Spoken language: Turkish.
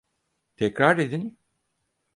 Tekrar edin.